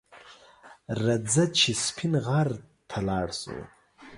رځه چې سپین غر ته لاړ شو